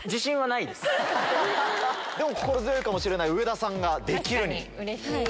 でも心強いかもしれない上田さんが「できる」に賭けてます。